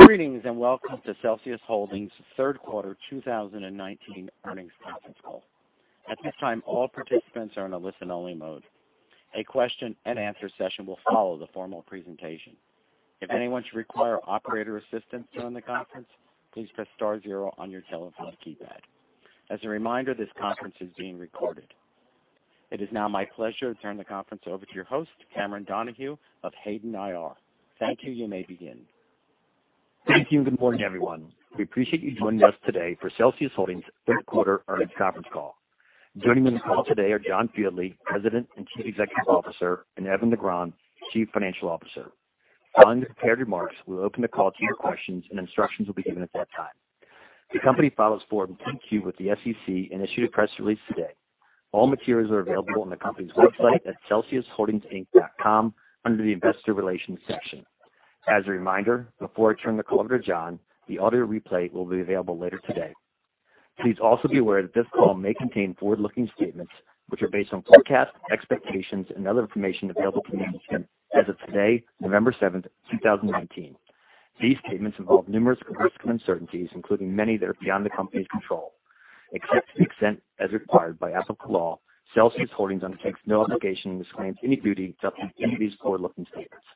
Greetings, welcome to Celsius Holdings' third quarter 2019 earnings conference call. At this time, all participants are in a listen-only mode. A question and answer session will follow the formal presentation. If anyone should require operator assistance during the conference, please press star zero on your telephone keypad. As a reminder, this conference is being recorded. It is now my pleasure to turn the conference over to your host, Cameron Donahue of Hayden IR. Thank you. You may begin. Thank you. Good morning, everyone. We appreciate you joining us today for Celsius Holdings' third quarter earnings conference call. Joining me on the call today are John Fieldly, President and Chief Executive Officer, and Edwin Negron-Carballo, Chief Financial Officer. Following the prepared remarks, we'll open the call to your questions, and instructions will be given at that time. The company files Form 10-Q with the SEC and issued a press release today. All materials are available on the company's website at celsiusholdingsinc.com under the investor relations section. As a reminder, before I turn the call over to John, the audio replay will be available later today. Please also be aware that this call may contain forward-looking statements which are based on forecasts, expectations, and other information available to management as of today, November 7th, 2019. These statements involve numerous risks and uncertainties, including many that are beyond the company's control. Except to the extent as required by applicable law, Celsius Holdings undertakes no obligation and disclaims any duty to update any of these forward-looking statements.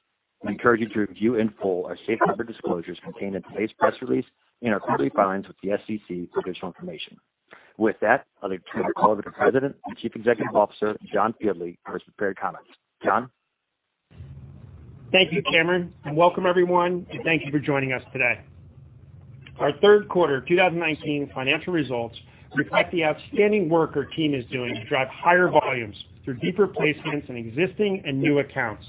We encourage you to review in full our safe harbor disclosures contained in today's press release and our quarterly filings with the SEC for additional information. With that, I'd like to turn the call over to President and Chief Executive Officer, John Fieldly, for his prepared comments. John? Thank you, Cameron, and welcome everyone, and thank you for joining us today. Our third quarter 2019 financial results reflect the outstanding work our team is doing to drive higher volumes through deeper placements in existing and new accounts,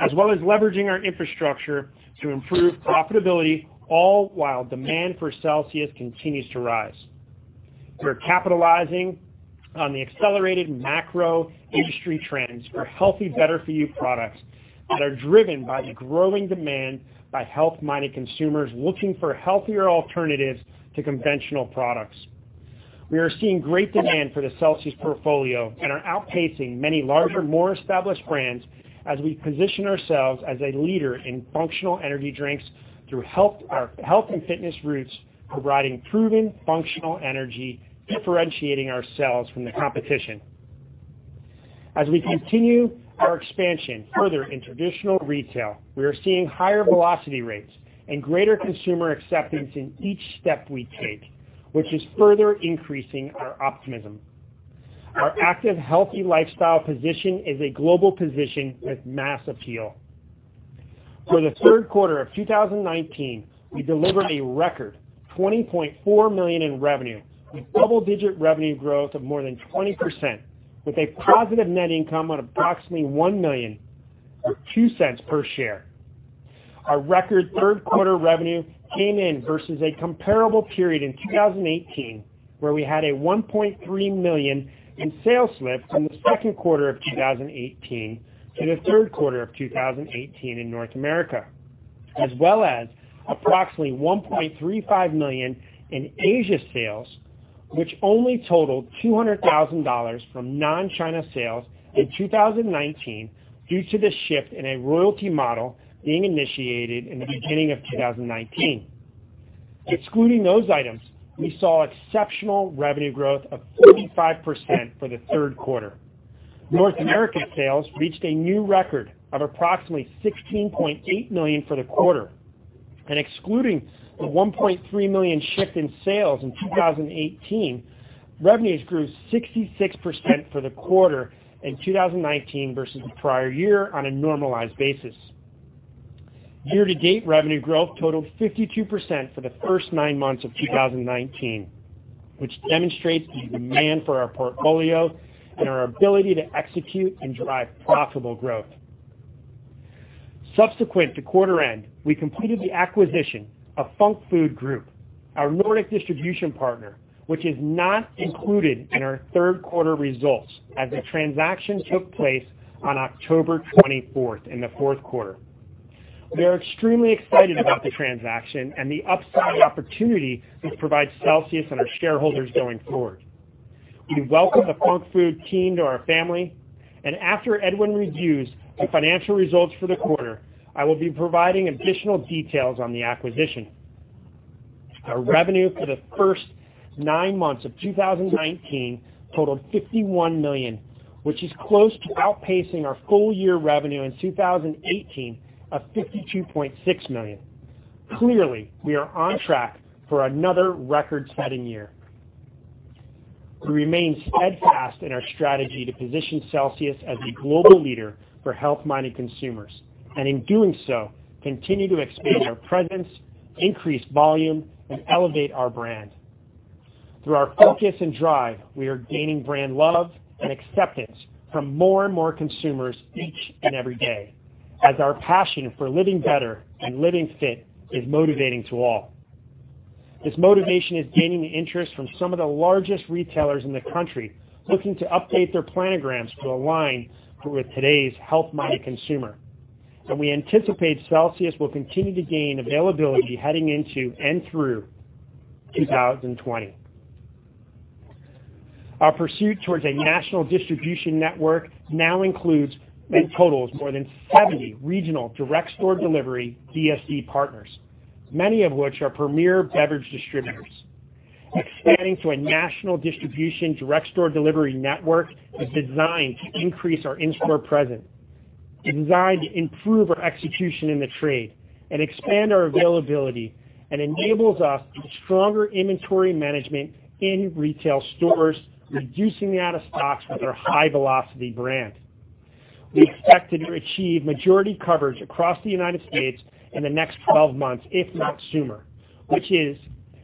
as well as leveraging our infrastructure to improve profitability, all while demand for Celsius continues to rise. We're capitalizing on the accelerated macro industry trends for healthy, better for you products that are driven by the growing demand by health-minded consumers looking for healthier alternatives to conventional products. We are seeing great demand for the Celsius portfolio and are outpacing many larger, more established brands as we position ourselves as a leader in functional energy drinks through our health and fitness roots, providing proven functional energy, differentiating ourselves from the competition. As we continue our expansion further in traditional retail, we are seeing higher velocity rates and greater consumer acceptance in each step we take, which is further increasing our optimism. Our active, healthy lifestyle position is a global position with mass appeal. For the third quarter of 2019, we delivered a record $20.4 million in revenue with double-digit revenue growth of more than 20%, with a positive net income on approximately $1 million, $0.02 per share. Our record third quarter revenue came in versus a comparable period in 2018, where we had a $1.3 million in sales lift from the second quarter of 2018 to the third quarter of 2018 in North America. Approximately $1.35 million in Asia sales, which only totaled $200,000 from non-China sales in 2019 due to the shift in a royalty model being initiated in the beginning of 2019. Excluding those items, we saw exceptional revenue growth of 45% for the third quarter. North America sales reached a new record of approximately $16.8 million for the quarter, and excluding the $1.3 million shift in sales in 2018, revenues grew 66% for the quarter in 2019 versus the prior year on a normalized basis. Year to date revenue growth totaled 52% for the first nine months of 2019, which demonstrates the demand for our portfolio and our ability to execute and drive profitable growth. Subsequent to quarter end, we completed the acquisition of Func Food Group, our Nordic distribution partner, which is not included in our third quarter results as the transaction took place on October 24th in the fourth quarter. We are extremely excited about the transaction and the upside opportunity this provides Celsius and our shareholders going forward. We welcome the Func Food team to our family. After Edwin reviews the financial results for the quarter, I will be providing additional details on the acquisition. Our revenue for the first nine months of 2019 totaled $51 million, which is close to outpacing our full year revenue in 2018 of $52.6 million. Clearly, we are on track for another record-setting year. We remain steadfast in our strategy to position Celsius as a global leader for health-minded consumers. In doing so, continue to expand our presence, increase volume, and elevate our brand. Through our focus and drive, we are gaining brand love and acceptance from more and more consumers each and every day, as our passion for living better and living fit is motivating to all. This motivation is gaining interest from some of the largest retailers in the country looking to update their planograms to align with today's health-minded consumer. We anticipate Celsius will continue to gain availability heading into and through 2020. Our pursuit towards a national distribution network now includes and totals more than 70 regional direct store delivery, DSD, partners, many of which are premier beverage distributors. Expanding to a national distribution direct store delivery network is designed to increase our in-store presence, designed to improve our execution in the trade, and expand our availability, and enables us with stronger inventory management in retail stores, reducing out of stocks with our high-velocity brand. We expect to achieve majority coverage across the United States in the next 12 months, if not sooner, which is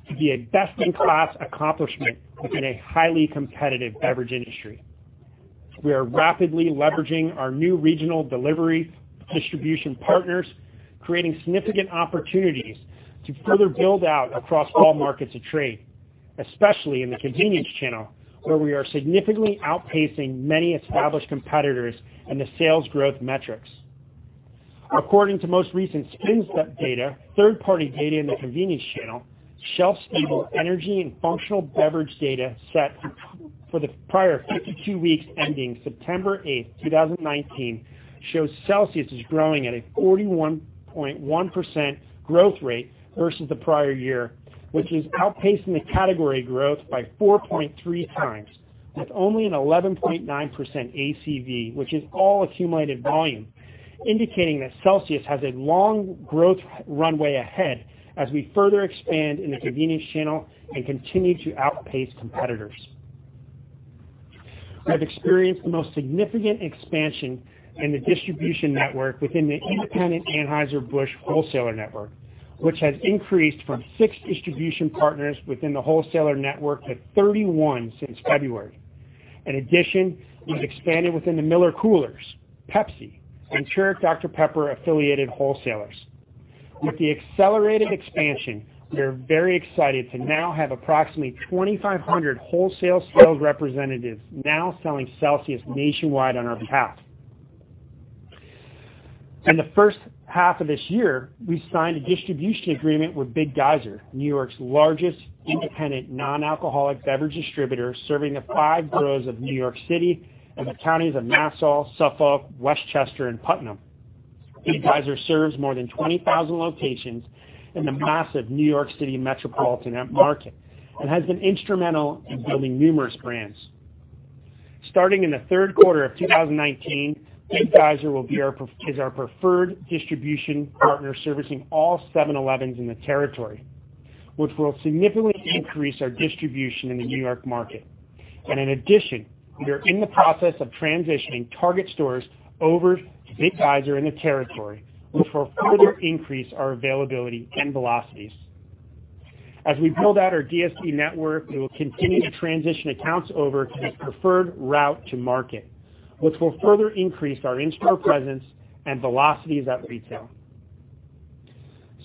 to be a best-in-class accomplishment within a highly competitive beverage industry. We are rapidly leveraging our new regional delivery distribution partners, creating significant opportunities to further build out across all markets of trade, especially in the convenience channel, where we are significantly outpacing many established competitors in the sales growth metrics. According to most recent SPINS data, third-party data in the convenience channel, shelf-stable energy and functional beverage data set for the prior 52 weeks ending September 8th, 2019, shows Celsius is growing at a 41.1% growth rate versus the prior year, which is outpacing the category growth by 4.3 times, with only an 11.9% ACV, which is all accumulated volume, indicating that Celsius has a long growth runway ahead as we further expand in the convenience channel and continue to outpace competitors. We have experienced the most significant expansion in the distribution network within the independent Anheuser-Busch wholesaler network, which has increased from six distribution partners within the wholesaler network to 31 since February. In addition, we've expanded within the MillerCoors, Pepsi, and Keurig Dr Pepper affiliated wholesalers. With the accelerated expansion, we are very excited to now have approximately 2,500 wholesale sales representatives now selling Celsius nationwide on our behalf. In the first half of this year, we signed a distribution agreement with Big Geyser, N.Y.'s largest independent non-alcoholic beverage distributor, serving the five boroughs of N.Y. City and the counties of Nassau, Suffolk, Westchester, and Putnam. Big Geyser serves more than 20,000 locations in the massive N.Y. City metropolitan market and has been instrumental in building numerous brands. Starting in the third quarter of 2019, Big Geyser is our preferred distribution partner servicing all 7-Elevens in the territory, which will significantly increase our distribution in the New York market. In addition, we are in the process of transitioning Target stores over to Big Geyser in the territory, which will further increase our availability and velocities. As we build out our DSD network, we will continue to transition accounts over to this preferred route to market, which will further increase our in-store presence and velocities at retail.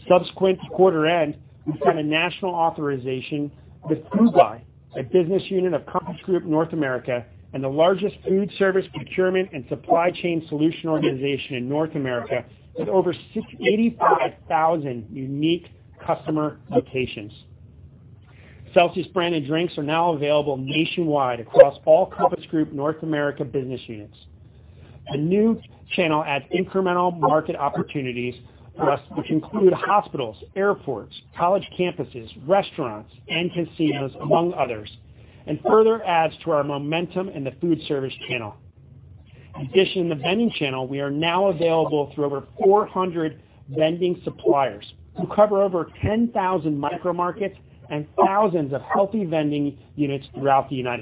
Subsequent to quarter end, we've signed a national authorization with Foodbuy, a business unit of Compass Group North America and the largest food service procurement and supply chain solution organization in North America, with over 85,000 unique customer locations. Celsius branded drinks are now available nationwide across all Compass Group North America business units. The new channel adds incremental market opportunities for us, which include hospitals, airports, college campuses, restaurants, and casinos, among others, and further adds to our momentum in the food service channel. In addition, in the vending channel, we are now available through over 400 vending suppliers who cover over 10,000 micro markets and thousands of healthy vending units throughout the U.S.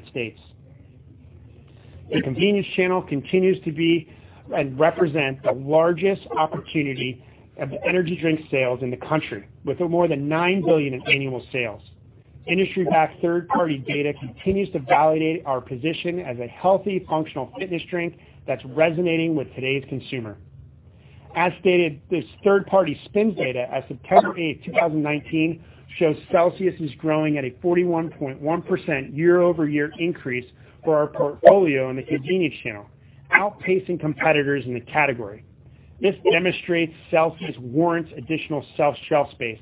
The convenience channel continues to be and represent the largest opportunity of energy drink sales in the country, with more than $9 billion in annual sales. Industry backed third-party data continues to validate our position as a healthy, functional fitness drink that's resonating with today's consumer. As stated, this third-party SPINS data as of September 8th, 2019, shows Celsius is growing at a 41.1% year-over-year increase for our portfolio in the convenience channel, outpacing competitors in the category. This demonstrates Celsius warrants additional shelf space,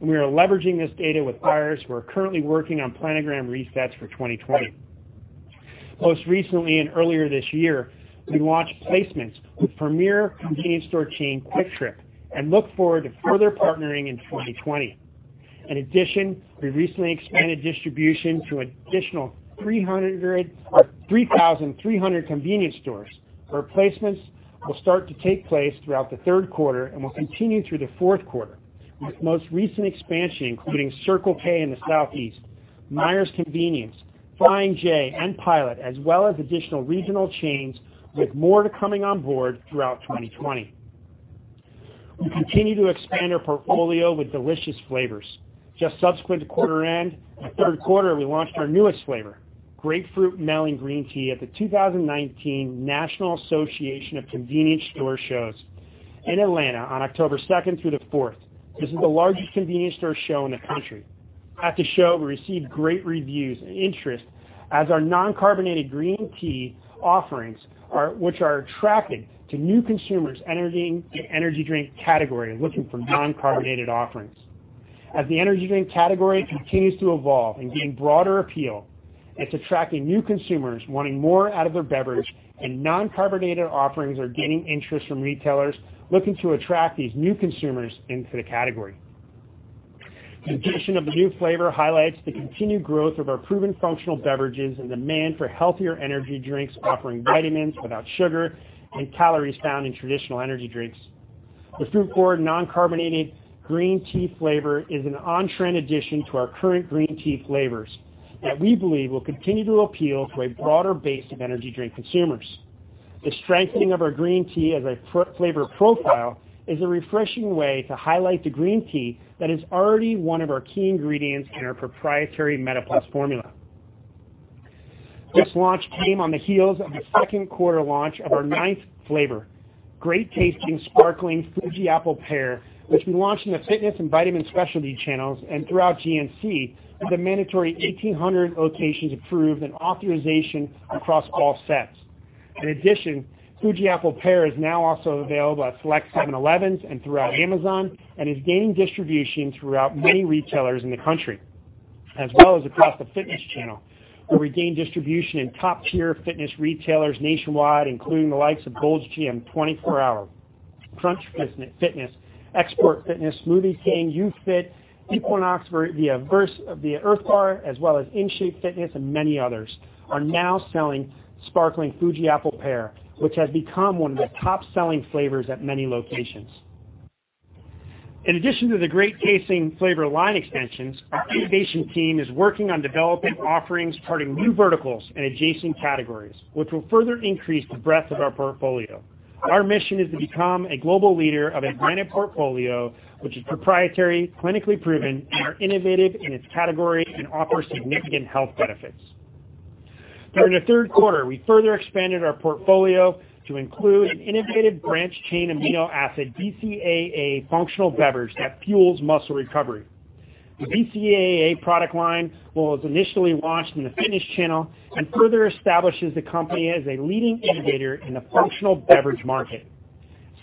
and we are leveraging this data with buyers who are currently working on planogram resets for 2020. Most recently and earlier this year, we launched placements with premier convenience store chain Kwik Trip and look forward to further partnering in 2020. In addition, we recently expanded distribution to an additional 3,300 convenience stores, where placements will start to take place throughout the third quarter and will continue through the fourth quarter, with most recent expansion including Circle K in the Southeast, Meijer Convenience, Flying J, and Pilot, as well as additional regional chains, with more to coming on board throughout 2020. We continue to expand our portfolio with delicious flavors. Just subsequent to quarter end, the third quarter, we launched our newest flavor, Grapefruit Melon Green Tea, at the 2019 National Association of Convenience Stores shows in Atlanta on October 2nd through the 4th. This is the largest convenience store show in the country. At the show, we received great reviews and interest as our non-carbonated green tea offerings, which are attracting to new consumers entering the energy drink category looking for non-carbonated offerings. As the energy drink category continues to evolve and gain broader appeal, it's attracting new consumers wanting more out of their beverage. Non-carbonated offerings are gaining interest from retailers looking to attract these new consumers into the category. The addition of the new flavor highlights the continued growth of our proven functional beverages and demand for healthier energy drinks offering vitamins without sugar and calories found in traditional energy drinks. The fruit forward, non-carbonated green tea flavor is an on-trend addition to our current green tea flavors that we believe will continue to appeal to a broader base of energy drink consumers. The strengthening of our green tea as a flavor profile is a refreshing way to highlight the green tea that is already one of our key ingredients in our proprietary MetaPlus formula. This launch came on the heels of the second quarter launch of our ninth flavor, great tasting sparkling Fuji Apple Pear, which we launched in the fitness and vitamin specialty channels and throughout GNC, with a mandatory 1,800 locations approved and authorization across all sets. In addition, Fuji Apple Pear is now also available at select 7-Elevens and throughout Amazon, and is gaining distribution throughout many retailers in the country, as well as across the fitness channel, where we gained distribution in top-tier fitness retailers nationwide, including the likes of Gold's Gym 24 Hour, Crunch Fitness, XSport Fitness, Smoothie King, YouFit, Equinox, the Earthbar, as well as In-Shape Fitness, and many others are now selling sparkling Fuji Apple Pear, which has become one of the top-selling flavors at many locations. In addition to the great tasting flavor line extensions, our innovation team is working on developing offerings targeting new verticals and adjacent categories, which will further increase the breadth of our portfolio. Our mission is to become a global leader of a branded portfolio which is proprietary, clinically proven, and are innovative in its category and offer significant health benefits. During the third quarter, we further expanded our portfolio to include an innovative branched-chain amino acid, BCAA, functional beverage that fuels muscle recovery. The BCAA product line was initially launched in the fitness channel and further establishes the company as a leading innovator in the functional beverage market.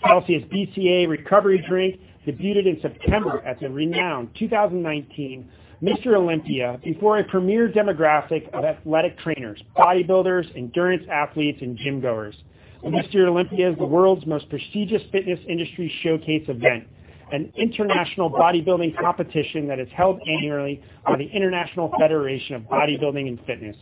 Celsius BCAA recovery drink debuted in September at the renowned 2019 Mr. Olympia before a premier demographic of athletic trainers, bodybuilders, endurance athletes, and gym-goers. The Mr. Olympia is the world's most prestigious fitness industry showcase event, an international bodybuilding competition that is held annually by the International Fitness and Bodybuilding Federation.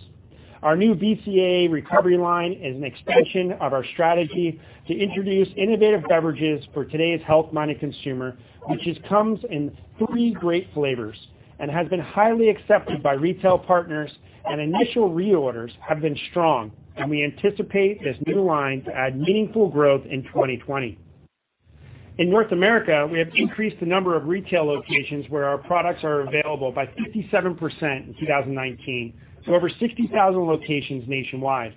Our new BCAA recovery line is an expansion of our strategy to introduce innovative beverages for today's health-minded consumer, which just comes in three great flavors and has been highly accepted by retail partners. Initial reorders have been strong, and we anticipate this new line to add meaningful growth in 2020. In North America, we have increased the number of retail locations where our products are available by 57% in 2019 to over 60,000 locations nationwide.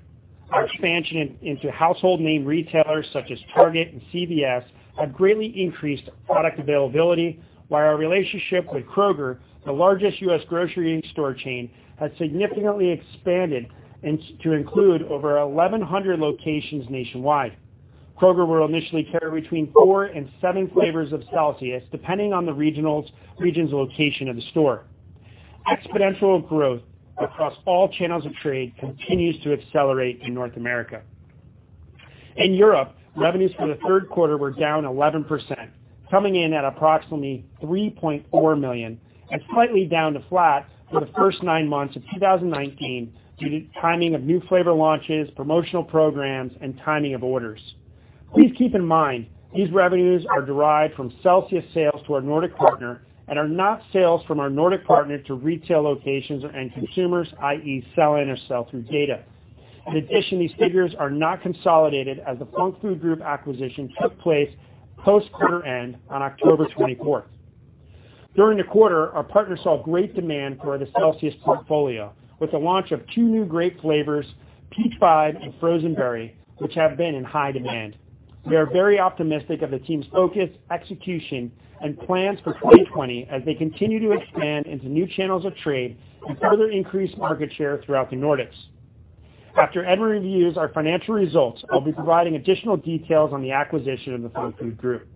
Our expansion into household name retailers such as Target and CVS have greatly increased product availability, while our relationship with Kroger, the largest U.S. grocery store chain, has significantly expanded to include over 1,100 locations nationwide. Kroger will initially carry between four and seven flavors of Celsius, depending on the region's location of the store. Exponential growth across all channels of trade continues to accelerate in North America. In Europe, revenues for the third quarter were down 11%, coming in at approximately $3.4 million and slightly down to flat for the first nine months of 2019 due to timing of new flavor launches, promotional programs, and timing of orders. Please keep in mind, these revenues are derived from Celsius sales to our Nordic partner and are not sales from our Nordic partner to retail locations and consumers, i.e., sell-in or sell-through data. These figures are not consolidated as the Func Food Group acquisition took place post quarter end on October 24th. During the quarter, our partner saw great demand for the Celsius portfolio with the launch of two new great flavors, Peach Vibe and Frozen Berry, which have been in high demand. We are very optimistic of the team's focus, execution, and plans for 2020 as they continue to expand into new channels of trade and further increase market share throughout the Nordics. After Edwin reviews our financial results, I'll be providing additional details on the acquisition of the Func Food Group.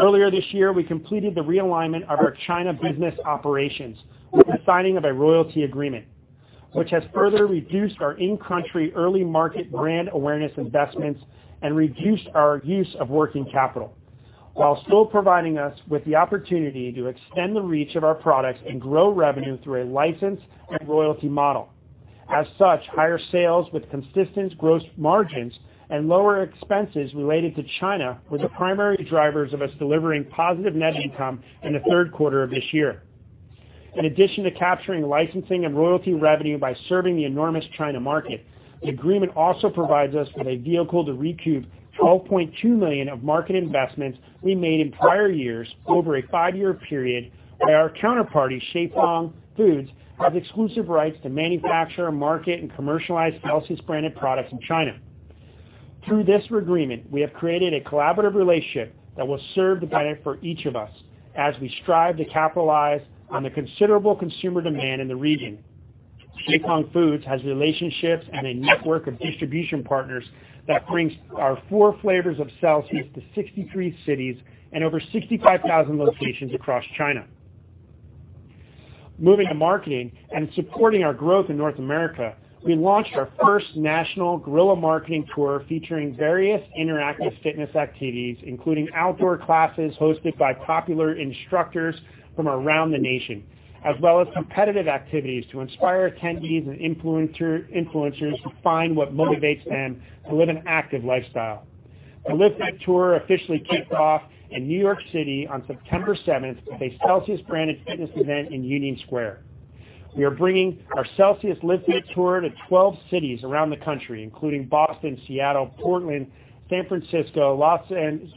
Earlier this year, we completed the realignment of our China business operations with the signing of a royalty agreement, which has further reduced our in-country early market brand awareness investments and reduced our use of working capital, while still providing us with the opportunity to extend the reach of our products and grow revenue through a license and royalty model. As such, higher sales with consistent gross margins and lower expenses related to China were the primary drivers of us delivering positive net income in the third quarter of this year. In addition to capturing licensing and royalty revenue by serving the enormous China market, the agreement also provides us with a vehicle to recoup $12.2 million of market investments we made in prior years over a five-year period where our counterparty, Shifang Foods, has exclusive rights to manufacture, market, and commercialize Celsius branded products in China. Through this agreement, we have created a collaborative relationship that will serve the benefit for each of us as we strive to capitalize on the considerable consumer demand in the region. Qifeng Foods has relationships and a network of distribution partners that brings our four flavors of Celsius to 63 cities and over 65,000 locations across China. Moving to marketing and supporting our growth in North America, we launched our first national guerrilla marketing tour featuring various interactive fitness activities, including outdoor classes hosted by popular instructors from around the nation, as well as competitive activities to inspire attendees and influencers to find what motivates them to live an active lifestyle. The LIVE FIT Tour officially kicked off in New York City on September 7th with a Celsius-branded fitness event in Union Square. We are bringing our Celsius LIVE FIT Tour to 12 cities around the country, including Boston, Seattle, Portland, San Francisco, Los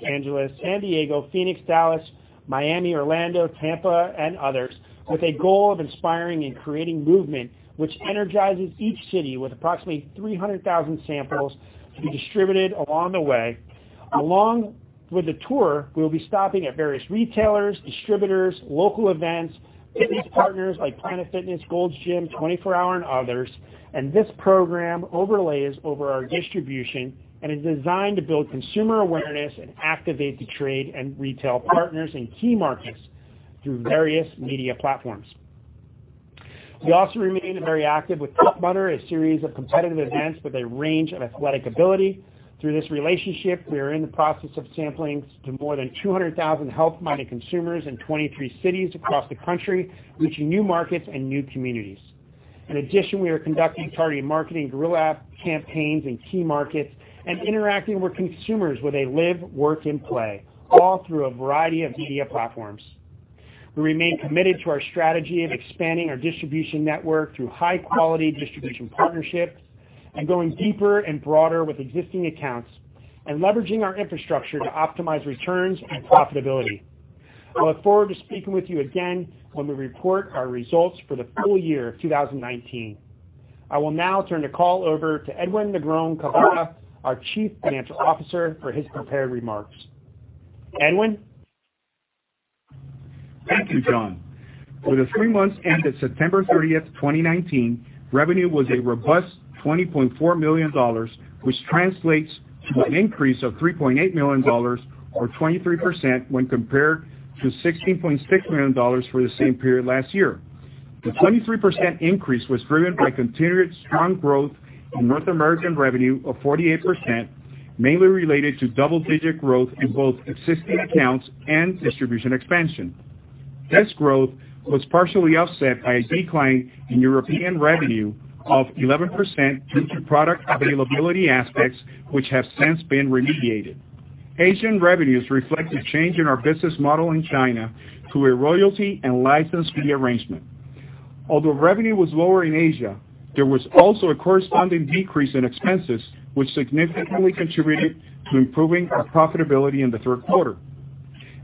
Angeles, San Diego, Phoenix, Dallas, Miami, Orlando, Tampa, and others, with a goal of inspiring and creating movement, which energizes each city with approximately 300,000 samples to be distributed along the way. Along with the tour, we will be stopping at various retailers, distributors, local events, fitness partners like Planet Fitness, Gold's Gym, 24 Hour, and others. This program overlays over our distribution and is designed to build consumer awareness and activate the trade and retail partners in key markets through various media platforms. We also remain very active with Fit-n-Fun, a series of competitive events with a range of athletic ability. Through this relationship, we are in the process of sampling to more than 200,000 health-minded consumers in 23 cities across the country, reaching new markets and new communities. In addition, we are conducting targeted marketing guerrilla campaigns in key markets and interacting with consumers where they live, work, and play, all through a variety of media platforms. We remain committed to our strategy of expanding our distribution network through high-quality distribution partnerships and going deeper and broader with existing accounts and leveraging our infrastructure to optimize returns and profitability. I look forward to speaking with you again when we report our results for the full year of 2019. I will now turn the call over to Edwin Negron-Carballo, our Chief Financial Officer, for his prepared remarks. Edwin? Thank you, John. For the three months ended September 30th, 2019, revenue was a robust $20.4 million, which translates to an increase of $3.8 million, or 23%, when compared to $16.6 million for the same period last year. The 23% increase was driven by continued strong growth in North American revenue of 48%, mainly related to double-digit growth in both existing accounts and distribution expansion. This growth was partially offset by a decline in European revenue of 11% due to product availability aspects, which have since been remediated. Asian revenues reflect a change in our business model in China to a royalty and license fee arrangement. Although revenue was lower in Asia, there was also a corresponding decrease in expenses, which significantly contributed to improving our profitability in the third quarter.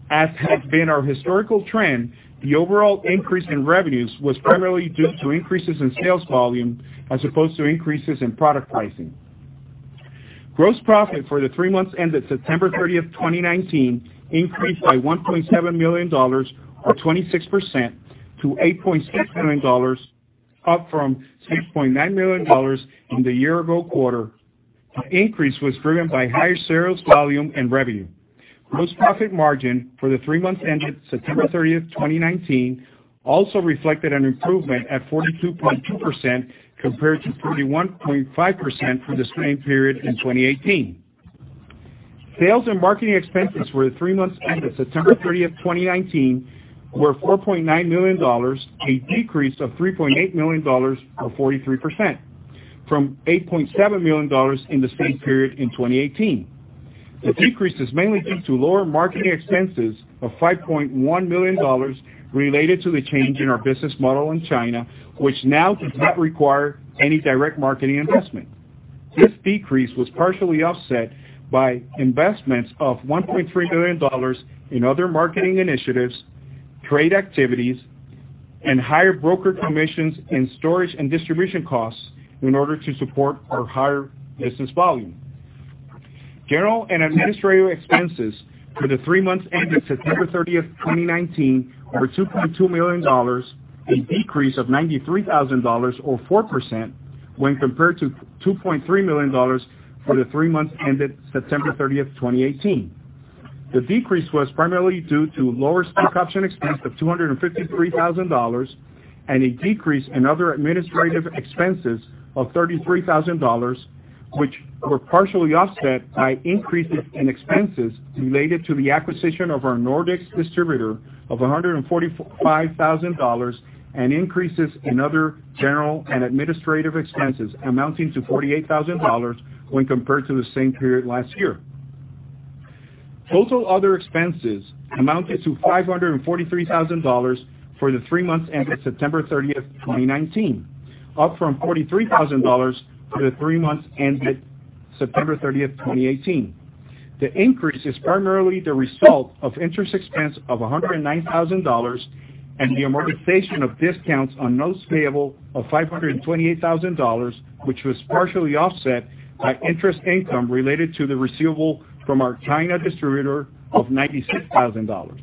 As has been our historical trend, the overall increase in revenues was primarily due to increases in sales volume as opposed to increases in product pricing. Gross profit for the three months ended September 30th, 2019, increased by $1.7 million, or 26%, to $8.6 million, up from $6.9 million in the year-ago quarter. The increase was driven by higher sales volume and revenue. Gross profit margin for the three months ended September 30th, 2019, also reflected an improvement at 42.2% compared to 31.5% for the same period in 2018. Sales and marketing expenses for the three months ended September 30th, 2019, were $4.9 million, a decrease of $3.8 million, or 43%, from $8.7 million in the same period in 2018. The decrease is mainly due to lower marketing expenses of $5.1 million related to the change in our business model in China, which now does not require any direct marketing investment. This decrease was partially offset by investments of $1.3 million in other marketing initiatives, trade activities, and higher broker commissions and storage and distribution costs in order to support our higher business volume. General and administrative expenses for the three months ended September 30th, 2019, were $2.2 million, a decrease of $93,000, or 4%, when compared to $2.3 million for the three months ended September 30th, 2018. The decrease was primarily due to lower stock option expense of $253,000 and a decrease in other administrative expenses of $33,000, which were partially offset by increases in expenses related to the acquisition of our Nordic distributor of $145,000 and increases in other general and administrative expenses amounting to $48,000 when compared to the same period last year. Total other expenses amounted to $543,000 for the three months ended September 30th, 2019, up from $43,000 for the three months ended September 30th, 2018. The increase is primarily the result of interest expense of $109,000 and the amortization of discounts on notes payable of $528,000, which was partially offset by interest income related to the receivable from our China distributor of $96,000.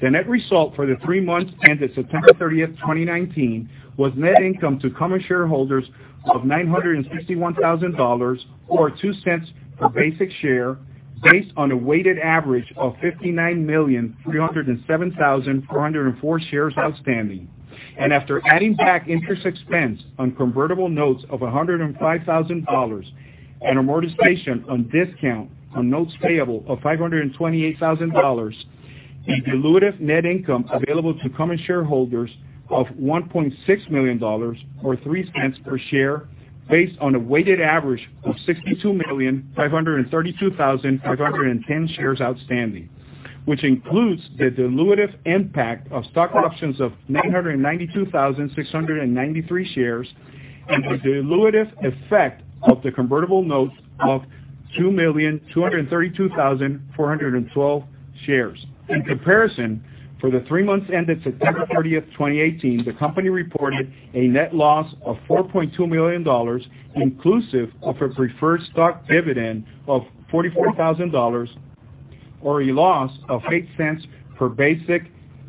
The net result for the three months ended September 30th, 2019, was net income to common shareholders of $961,000, or $0.02 per basic share, based on a weighted average of 59,307,404 shares outstanding. After adding back interest expense on convertible notes of $105,000 and amortization on discount on notes payable of $528,000, the dilutive net income available to common shareholders of $1.6 million, or $0.03 per share, based on a weighted average of 62,532,510 shares outstanding. Which includes the dilutive impact of stock options of 992,693 shares and the dilutive effect of the convertible notes of 2,232,412 shares. In comparison, for the three months ended September 30th, 2018, the company reported a net loss of $4.2 million, inclusive of a preferred stock dividend of $44,000, or a loss of $0.08 per basic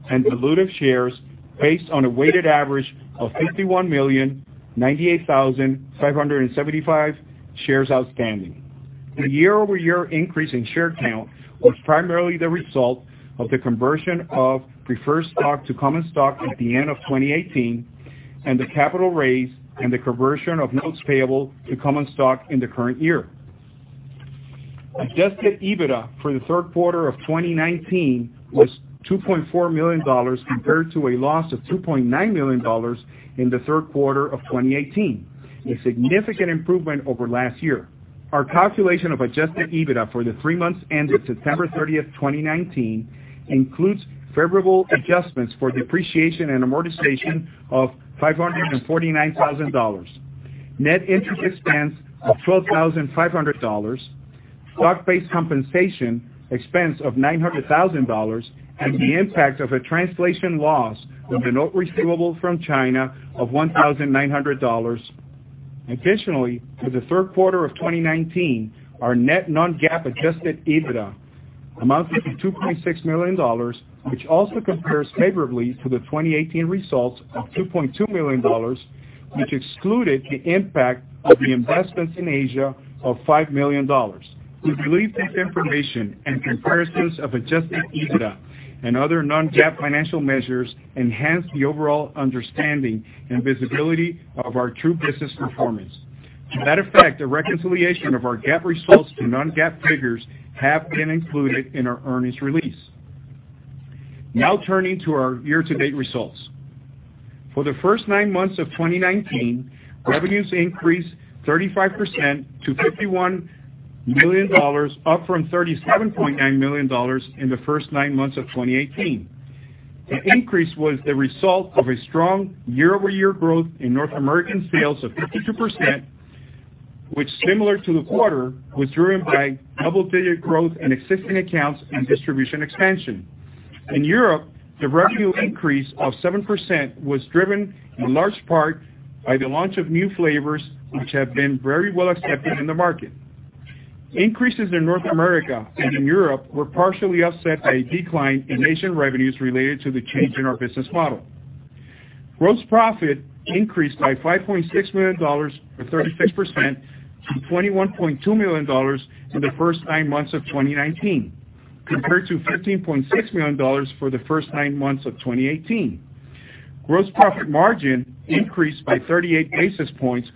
and dilutive shares based on a weighted average of 51,098,575 shares outstanding. The year-over-year increase in share count was primarily the result of the conversion of preferred stock to common stock at the end of 2018 and the capital raise and the conversion of notes payable to common stock in the current year. Adjusted EBITDA for the third quarter of 2019 was $2.4 million, compared to a loss of $2.9 million in the third quarter of 2018, a significant improvement over last year. Our calculation of adjusted EBITDA for the three months ended September 30th, 2019, includes favorable adjustments for depreciation and amortization of $549,000. Net interest expense of $12,500. Stock-based compensation expense of $900,000. The impact of a translation loss of a note receivable from China of $1,900. Additionally, for the third quarter of 2019, our net non-GAAP adjusted EBITDA amounted to $2.6 million, which also compares favorably to the 2018 results of $2.2 million, which excluded the impact of the investments in Asia of $5 million. We believe this information and comparisons of adjusted EBITDA and other non-GAAP financial measures enhance the overall understanding and visibility of our true business performance. To that effect, a reconciliation of our GAAP results to non-GAAP figures have been included in our earnings release. Now turning to our year-to-date results. For the first nine months of 2019, revenues increased 35% to $51 million, up from $37.9 million in the first nine months of 2018. The increase was the result of a strong year-over-year growth in North American sales of 52%, which similar to the quarter, was driven by double-digit growth in existing accounts and distribution expansion. In Europe, the revenue increase of 7% was driven in large part by the launch of new flavors, which have been very well accepted in the market. Increases in North America and in Europe were partially offset by a decline in Asian revenues related to the change in our business model. Gross profit increased by $5.6 million, or 36%, to $21.2 million in the first nine months of 2019, compared to $15.6 million for the first nine months of 2018. Gross profit margin increased by 38 basis points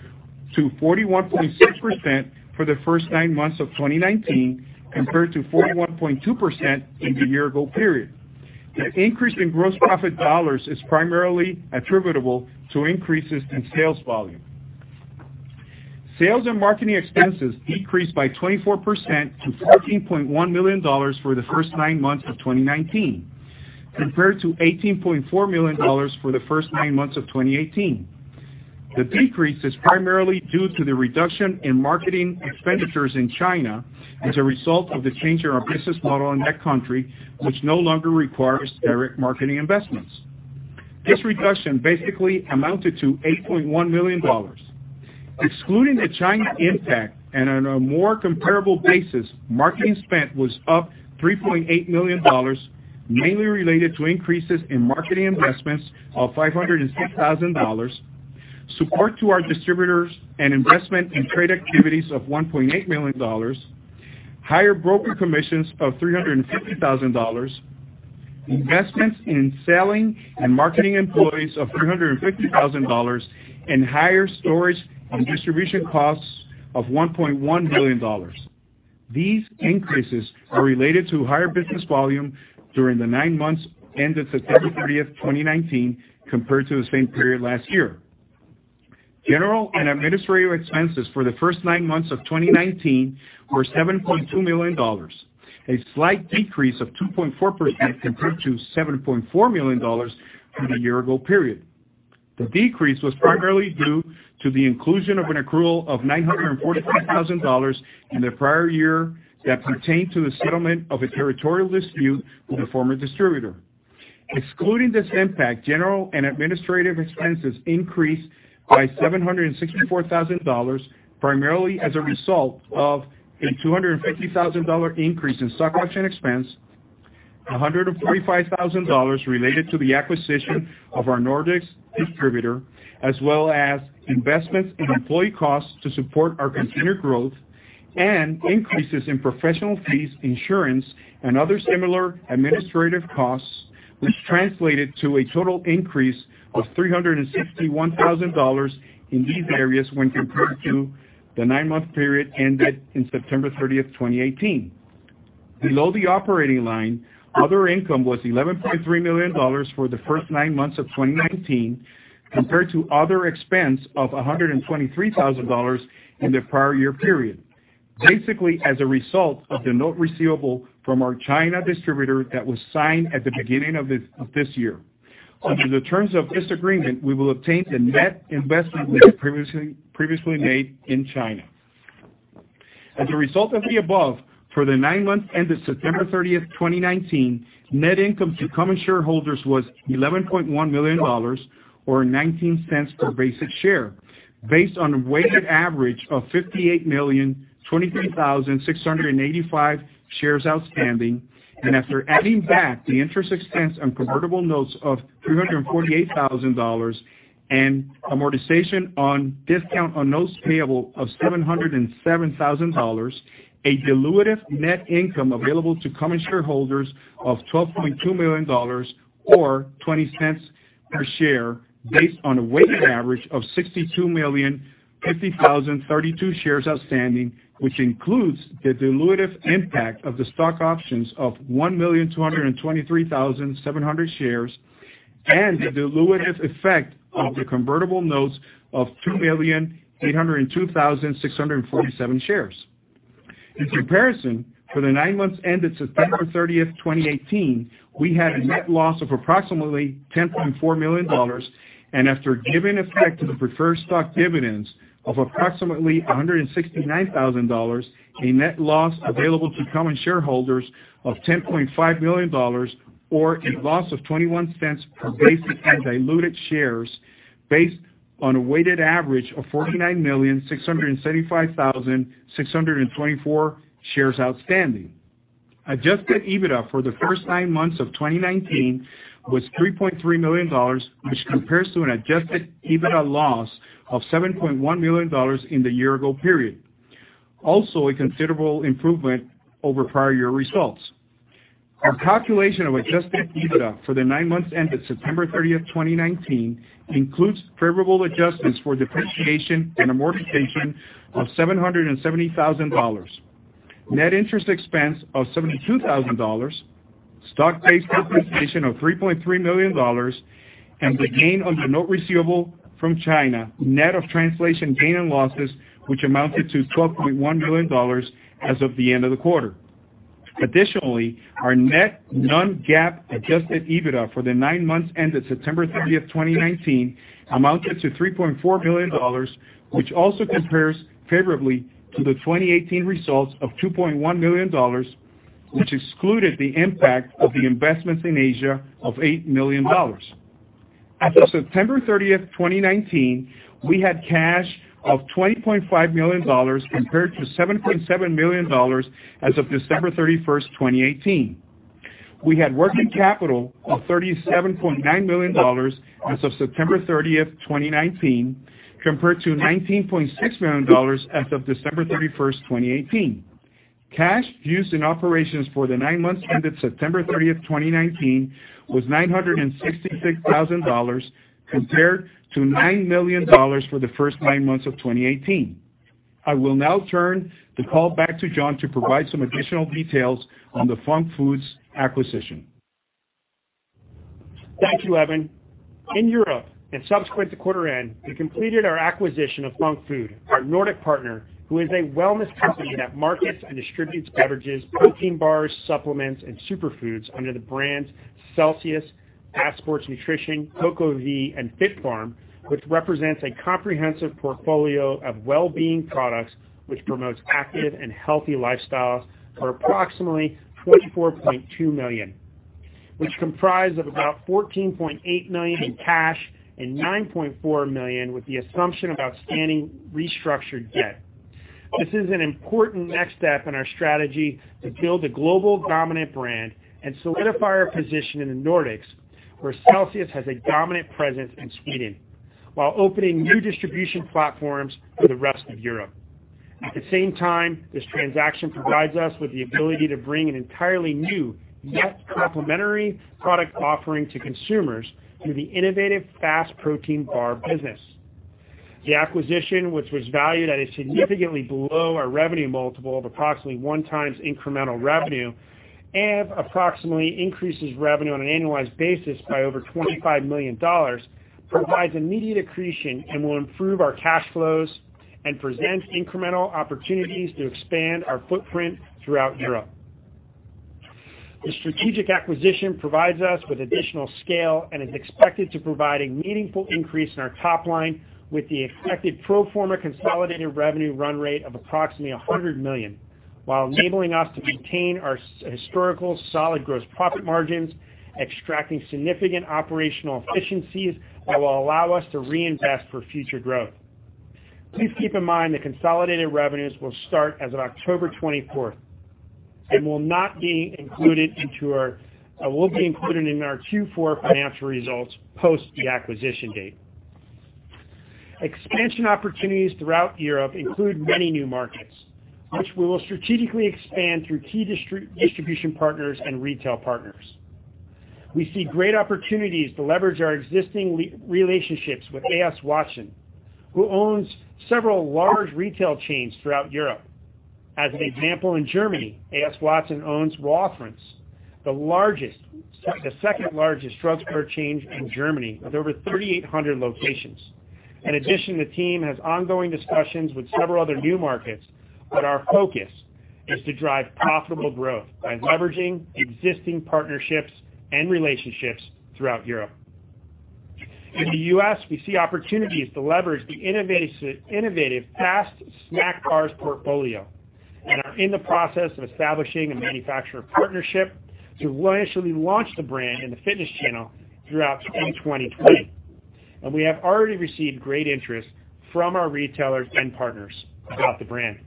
to 41.6% for the first nine months of 2019, compared to 41.2% in the year-ago period. The increase in gross profit dollars is primarily attributable to increases in sales volume. Sales and marketing expenses decreased by 24% to $14.1 million for the first nine months of 2019, compared to $18.4 million for the first nine months of 2018. The decrease is primarily due to the reduction in marketing expenditures in China as a result of the change in our business model in that country, which no longer requires direct marketing investments. This reduction basically amounted to $8.1 million. Excluding the China impact and on a more comparable basis, marketing spend was up $3.8 million, mainly related to increases in marketing investments of $503,000, support to our distributors and investment in trade activities of $1.8 million, higher broker commissions of $350,000, investments in selling and marketing employees of $350,000, and higher storage and distribution costs of $1.1 million. These increases are related to higher business volume during the nine months ended September 30th, 2019, compared to the same period last year. General and administrative expenses for the first nine months of 2019 were $7.2 million, a slight decrease of 2.4% compared to $7.4 million for the year-ago period. The decrease was primarily due to the inclusion of an accrual of $943,000 in the prior year that pertained to the settlement of a territorial dispute with a former distributor. Excluding this impact, general and administrative expenses increased by $764,000, primarily as a result of a $250,000 increase in stock option expense, $145,000 related to the acquisition of our Nordics distributor, as well as investments in employee costs to support our continued growth and increases in professional fees, insurance, and other similar administrative costs, which translated to a total increase of $361,000 in these areas when compared to the nine-month period ended in September 30th, 2018. Below the operating line, other income was $11.3 million for the first nine months of 2019, compared to other expense of $123,000 in the prior year period, basically as a result of the note receivable from our China distributor that was signed at the beginning of this year. Under the terms of this agreement, we will obtain the net investment we had previously made in China. As a result of the above, for the nine months ended September 30th, 2019, net income to common shareholders was $11.1 million, or $0.19 per basic share, based on a weighted average of 58,023,685 shares outstanding, and after adding back the interest expense on convertible notes of $348,000 and amortization on discount on notes payable of $707,000, a dilutive net income available to common shareholders of $12.2 million, or $0.20 per share based on a weighted average of 62,050,032 shares outstanding, which includes the dilutive impact of the stock options of 1,223,700 shares and the dilutive effect of the convertible notes of 2,802,647 shares. In comparison, for the nine months ended September 30th, 2018, we had a net loss of approximately $10.4 million, and after giving effect to the preferred stock dividends of approximately $169,000, a net loss available to common shareholders of $10.5 million, or a loss of $0.21 per basic and diluted shares based on a weighted average of 49,675,624 shares outstanding. Adjusted EBITDA for the first nine months of 2019 was $3.3 million, which compares to an adjusted EBITDA loss of $7.1 million in the year-ago period. Also, a considerable improvement over prior year results. Our calculation of adjusted EBITDA for the nine months ended September 30th, 2019, includes favorable adjustments for depreciation and amortization of $770,000, net interest expense of $72,000, stock-based compensation of $3.3 million, and the gain on the note receivable from China, net of translation gain on losses which amounted to $12.1 million as of the end of the quarter. Our net non-GAAP adjusted EBITDA for the nine months ended September 30th, 2019, amounted to $3.4 million, which also compares favorably to the 2018 results of $2.1 million, which excluded the impact of the investments in Asia of $8 million. As of September 30th, 2019, we had cash of $20.5 million, compared to $7.7 million as of December 31st, 2018. We had working capital of $37.9 million as of September 30th, 2019, compared to $19.6 million as of December 31st, 2018. Cash used in operations for the nine months ended September 30th, 2019, was $966,000, compared to $9 million for the first nine months of 2018. I will now turn the call back to John to provide some additional details on the Func Food acquisition. Thank you, Edwin. In Europe, subsequent to quarter end, we completed our acquisition of Func Food, our Nordic partner, who is a wellness company that markets and distributes beverages, protein bars, supplements, and superfoods under the brands Celsius, FAST Sports Nutrition, CocoVi, and FitFarm, which represents a comprehensive portfolio of well-being products which promotes active and healthy lifestyles for approximately $24.2 million, which comprise of about $14.8 million in cash and $9.4 million with the assumption of outstanding restructured debt. This is an important next step in our strategy to build a global dominant brand and solidify our position in the Nordics, where Celsius has a dominant presence in Sweden, while opening new distribution platforms for the rest of Europe. At the same time, this transaction provides us with the ability to bring an entirely new, yet complementary product offering to consumers through the innovative FAST protein bar business. The acquisition, which was valued at a significantly below our revenue multiple of approximately 1x incremental revenue and approximately increases revenue on an annualized basis by over $25 million, provides immediate accretion and will improve our cash flows and present incremental opportunities to expand our footprint throughout Europe. The strategic acquisition provides us with additional scale and is expected to provide a meaningful increase in our top line with the expected pro forma consolidated revenue run rate of approximately $100 million. While enabling us to maintain our historical solid gross profit margins, extracting significant operational efficiencies that will allow us to reinvest for future growth. Please keep in mind that consolidated revenues will start as of October 24th and will be included in our Q4 financial results post the acquisition date. Expansion opportunities throughout Europe include many new markets, which we will strategically expand through key distribution partners and retail partners. We see great opportunities to leverage our existing relationships with A.S. Watson, who owns several large retail chains throughout Europe. As an example, in Germany, A.S. Watson owns Rossmann, the second largest drugstore chain in Germany with over 3,800 locations. The team has ongoing discussions with several other new markets. Our focus is to drive profitable growth by leveraging existing partnerships and relationships throughout Europe. In the U.S., we see opportunities to leverage the innovative FAST snack bars portfolio and are in the process of establishing a manufacturer partnership to initially launch the brand in the fitness channel throughout 2020. We have already received great interest from our retailers and partners about the brand.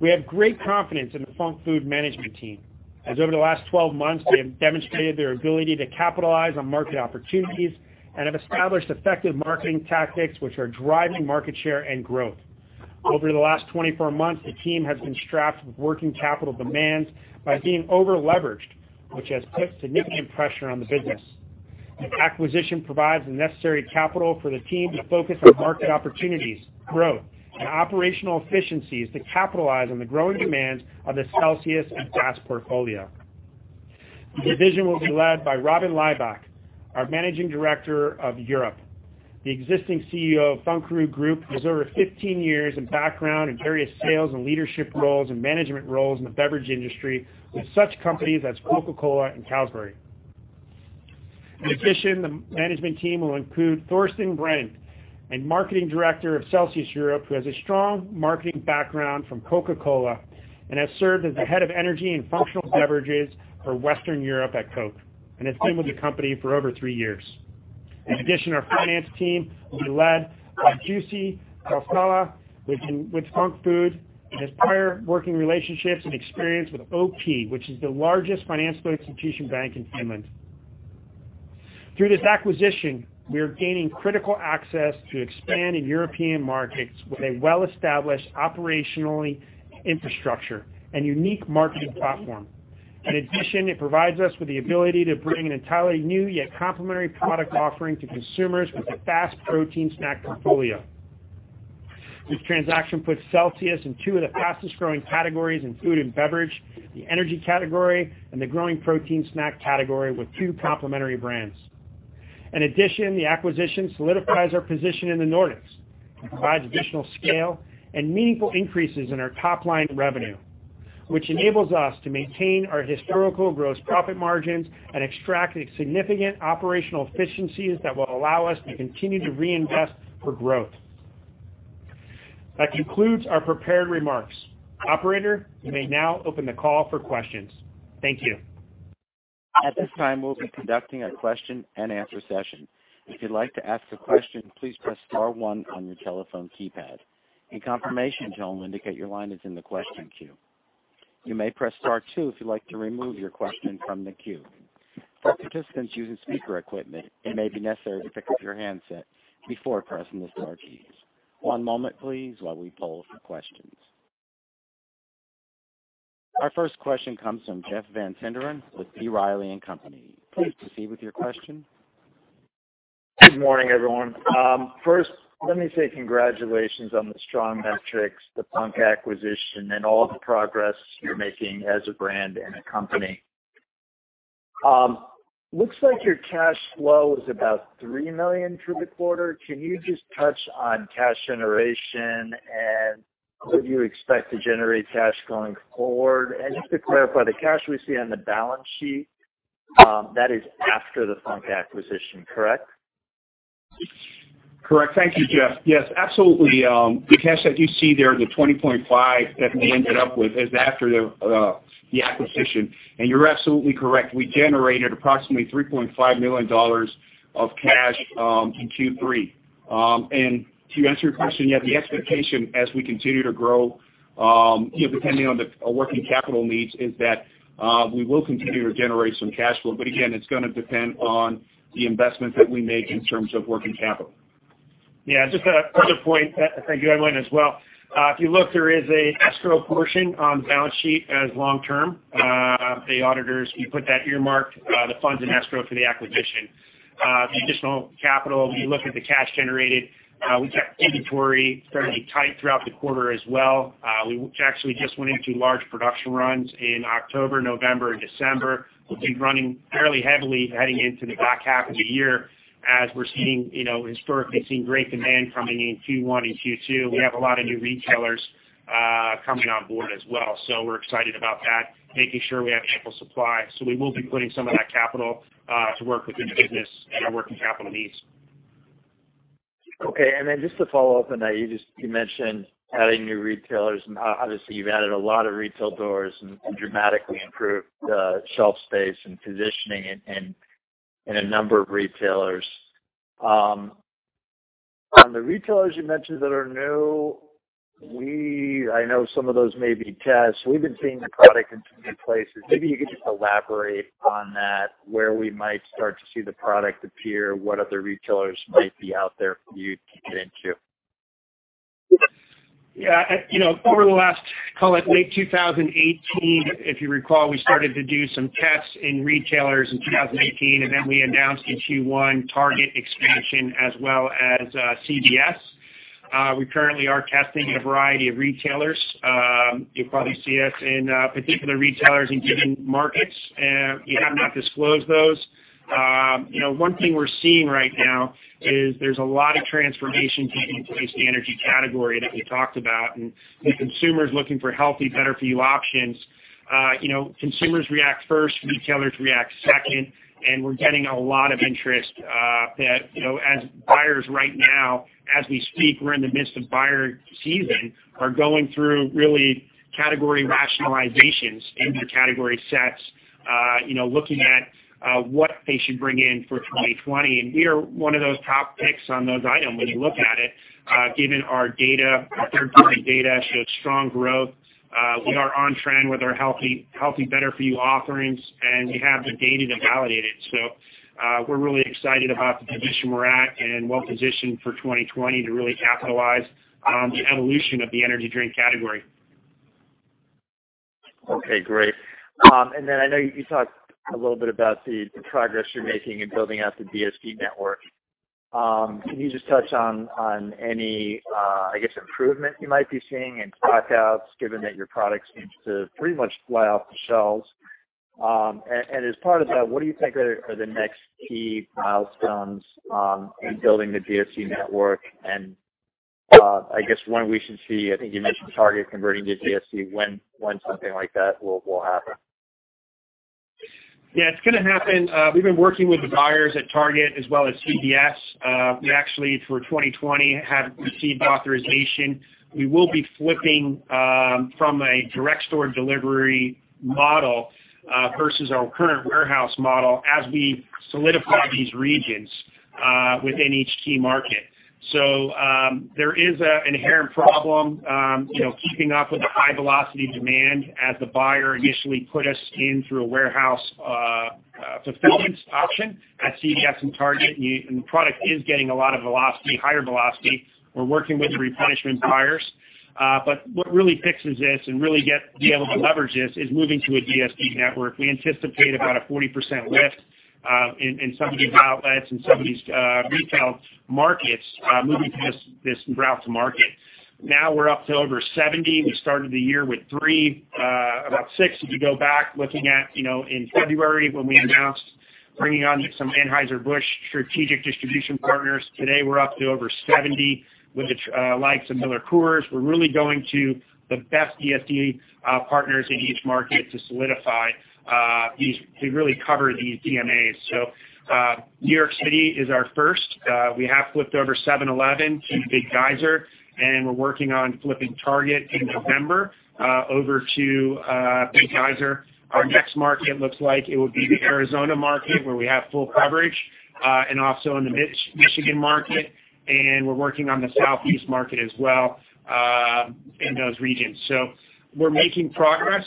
We have great confidence in the Func Food management team, as over the last 12 months, they have demonstrated their ability to capitalize on market opportunities and have established effective marketing tactics, which are driving market share and growth. Over the last 24 months, the team has been strapped with working capital demands by being over-leveraged, which has put significant pressure on the business. The acquisition provides the necessary capital for the team to focus on market opportunities, growth, and operational efficiencies to capitalize on the growing demands of the Celsius and FAST portfolio. The division will be led by Robin Lybeck, our Managing Director of Europe, the existing CEO of Func Food Group, who has over 15 years in background in various sales and leadership roles and management roles in the beverage industry with such companies as Coca-Cola and Carlsberg. The management team will include Thorsten Brandt, a marketing director of Celsius Europe, who has a strong marketing background from Coca-Cola and has served as the head of energy and functional beverages for Western Europe at Coke and has been with the company for over three years. Our finance team will be led by Jussi Koskela with Func Food and has prior working relationships and experience with OP, which is the largest financial institution bank in Finland. Through this acquisition, we are gaining critical access to expand in European markets with a well-established operationally infrastructure and unique marketing platform. It provides us with the ability to bring an entirely new yet complementary product offering to consumers with the FAST protein snack portfolio. This transaction puts Celsius in two of the fastest-growing categories in food and beverage, the energy category, and the growing protein snack category with two complementary brands. In addition, the acquisition solidifies our position in the Nordics and provides additional scale and meaningful increases in our top-line revenue, which enables us to maintain our historical gross profit margins and extract significant operational efficiencies that will allow us to continue to reinvest for growth. That concludes our prepared remarks. Operator, you may now open the call for questions. Thank you. At this time, we'll be conducting a question and answer session. If you'd like to ask a question, please press star one on your telephone keypad. A confirmation tone will indicate your line is in the question queue. You may press star two if you'd like to remove your question from the queue. For participants using speaker equipment, it may be necessary to pick up your handset before pressing the star keys. One moment, please, while we poll for questions. Our first question comes from Jeff Van Sinderen with B. Riley & Company. Please proceed with your question. Good morning, everyone. First, let me say congratulations on the strong metrics, the Func acquisition, and all the progress you're making as a brand and a company. Looks like your cash flow was about $3 million for the quarter. Can you just touch on cash generation and what you expect to generate cash going forward? Just to clarify, the cash we see on the balance sheet, that is after the Func acquisition, correct? Correct. Thank you, Jeff. Yes, absolutely. The cash that you see there, the $20.5 that we ended up with is after the acquisition. You're absolutely correct. We generated approximately $3.5 million of cash in Q3. To answer your question, yeah, the expectation as we continue to grow, depending on the working capital needs, is that we will continue to generate some cash flow. Again, it's going to depend on the investments that we make in terms of working capital. Yeah, just a other point. Thank you, everyone, as well. If you look, there is an escrow portion on balance sheet as long term. The auditors, we put the funds in escrow for the acquisition. The additional capital, if you look at the cash generated, we kept inventory fairly tight throughout the quarter as well. We actually just went into large production runs in October, November, and December. We'll be running fairly heavily heading into the back half of the year as we're historically seeing great demand coming in Q1 and Q2. We have a lot of new retailers coming on board as well. We're excited about that, making sure we have ample supply. We will be putting some of that capital to work within the business and our working capital needs. Okay. Just to follow up on that, you mentioned adding new retailers, and obviously you've added a lot of retail doors and dramatically improved the shelf space and positioning in a number of retailers. On the retailers you mentioned that are new, I know some of those may be tests. We've been seeing the product in places. Maybe you could just elaborate on that, where we might start to see the product appear, what other retailers might be out there for you to get into? Yeah. Over the last, call it late 2018, if you recall, we started to do some tests in retailers in 2018, then we announced in Q1 Target expansion as well as CVS. We currently are testing a variety of retailers. You'll probably see us in particular retailers in given markets. We have not disclosed those. One thing we're seeing right now is there's a lot of transformation taking place in the energy category that we talked about, the consumer's looking for healthy, better-for-you options. Consumers react first, retailers react second, we're getting a lot of interest as buyers right now, as we speak, we're in the midst of buyer season, are going through really category rationalizations into category sets, looking at what they should bring in for 2020. We are one of those top picks on those items when you look at it, given our third-quarter data, show strong growth. We are on trend with our healthy, better-for-you offerings, and we have the data to validate it. We're really excited about the position we're at and well-positioned for 2020 to really capitalize on the evolution of the energy drink category. Okay, great. Then I know you talked a little bit about the progress you're making in building out the DSD network. Can you just touch on any, I guess, improvement you might be seeing in [stock out], given that your products seem to pretty much fly off the shelves? As part of that, what do you think are the next key milestones in building the DSD network and, I guess, when we should see, I think you mentioned Target converting to DSD, when something like that will happen? Yeah, it's going to happen. We've been working with the buyers at Target as well as CVS. We actually, for 2020, have received authorization. We will be flipping from a direct store delivery model versus our current warehouse model as we solidify these regions within each key market. There is an inherent problem keeping up with the high velocity demand as the buyer initially put us in through a warehouse fulfillment option at CVS and Target, and the product is getting a lot of velocity, higher velocity. We're working with replenishment buyers. What really fixes this and really be able to leverage this is moving to a DSD network. We anticipate about a 40% lift in some of these outlets, in some of these retail markets, moving to this route to market. Now we're up to over 70. We started the year with 3, about 6, if you go back looking at in February, when we announced bringing on some Anheuser-Busch strategic distribution partners. Today, we're up to over 70 with the likes of MillerCoors. We're really going to the best DSD partners in each market to solidify these. We really cover these DMAs. New York City is our first. We have flipped over 7-Eleven to Big Geyser, and we're working on flipping Target in November over to Big Geyser. Our next market looks like it will be the Arizona market, where we have full coverage, and also in the Michigan market, and we're working on the Southeast market as well in those regions. We're making progress.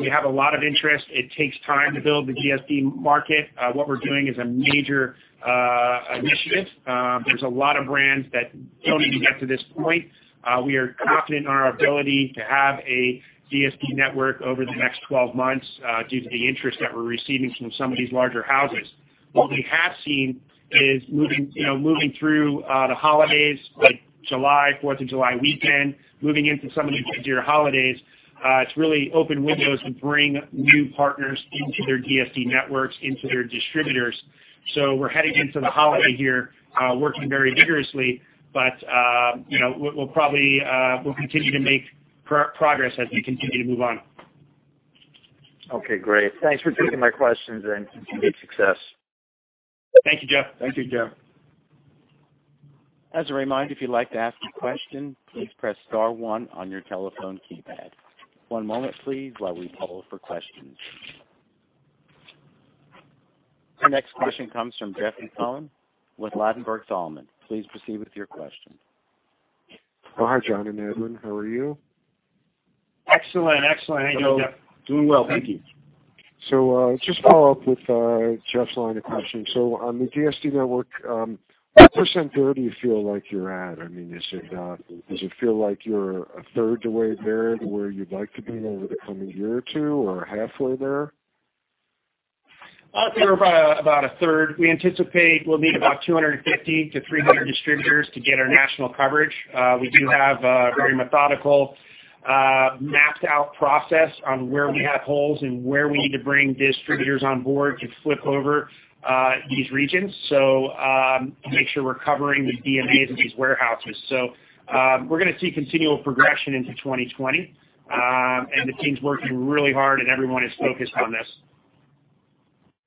We have a lot of interest. It takes time to build the DSD market. What we're doing is a major initiative. There's a lot of brands that don't even get to this point. We are confident in our ability to have a DSD network over the next 12 months due to the interest that we're receiving from some of these larger houses. What we have seen is moving through the holidays, like July, Fourth of July weekend, moving into some of the bigger holidays, it's really opened windows to bring new partners into their DSD networks, into their distributors. We're heading into the holiday here, working very vigorously, but we'll continue to make progress as we continue to move on. Okay, great. Thanks for taking my questions and good success. Thank you, Jeff. Thank you, Jeff. As a reminder, if you'd like to ask a question, please press star one on your telephone keypad. One moment please, while we poll for questions. The next question comes from Jeffrey Cohen with Ladenburg Thalmann. Please proceed with your question. Oh, hi, John and Edwin. How are you? Excellent. How you doing, Jeff? Doing well, thank you. Just follow up with Jeff's line of questioning. On the DSD network, what % there do you feel like you're at? Does it feel like you're a third the way there to where you'd like to be over the coming year or two or halfway there? I'd say we're about a third. We anticipate we'll need about 250 to 300 distributors to get our national coverage. We do have a very methodical, mapped out process on where we have holes and where we need to bring distributors on board to flip over these regions. Make sure we're covering the DMAs in these warehouses. We're going to see continual progression into 2020. The team's working really hard, and everyone is focused on this.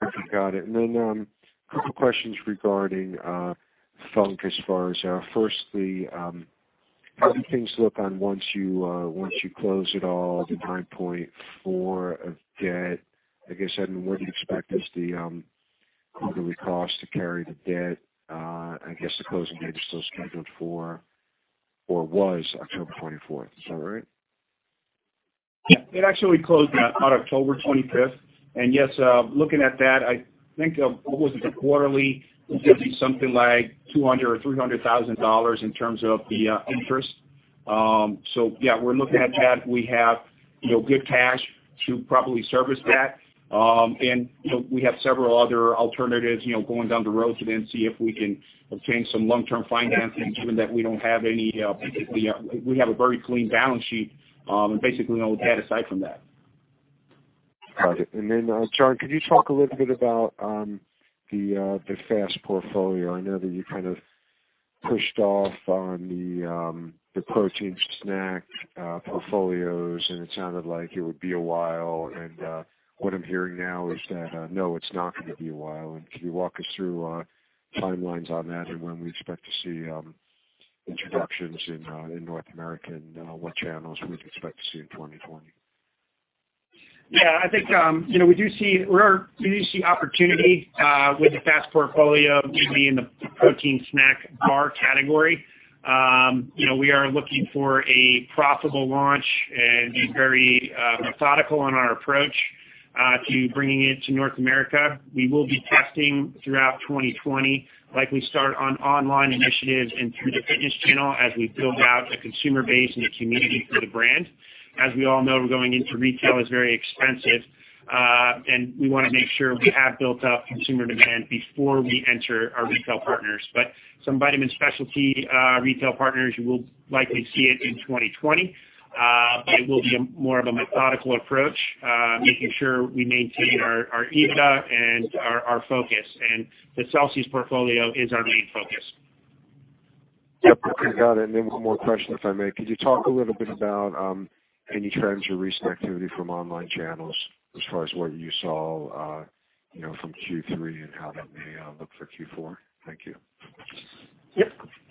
I got it. Then a couple questions regarding Func as far as firstly, how do things look on once you close it all, the time point for a debt, I guess, and what do you expect is the quarterly cost to carry the debt? I guess the closing date is still scheduled for, or was October 24th. Is that right? Yeah. It actually closed on October 25th. Yes, looking at that, I think, what was it? The quarterly, it gives you something like $200,000 or $300,000 in terms of the interest. Yeah, we're looking at that. We have good cash to properly service that. We have several other alternatives going down the road to then see if we can obtain some long-term financing, given that we have a very clean balance sheet, and basically no debt aside from that. Got it. John, could you talk a little bit about the FAST portfolio? I know that you kind of pushed off on the protein snack portfolios, and it sounded like it would be a while, and what I'm hearing now is that, no, it's not going to be a while. Could you walk us through timelines on that and when we expect to see introductions in North America and what channels we could expect to see in 2020? Yeah, I think, we do see opportunity with the FAST portfolio, mainly in the protein snack bar category. We are looking for a profitable launch and be very methodical in our approach to bringing it to North America. We will be testing throughout 2020, likely start on online initiatives and through the fitness channel as we build out a consumer base and a community for the brand. As we all know, going into retail is very expensive, and we want to make sure we have built up consumer demand before we enter our retail partners. Some vitamin specialty retail partners will likely see it in 2020. It will be more of a methodical approach, making sure we maintain our EBITDA and our focus, and the Celsius portfolio is our main focus. Yep. Okay, got it. One more question, if I may. Could you talk a little bit about any trends or recent activity from online channels as far as what you saw from Q3 and how that may look for Q4? Thank you. Yep.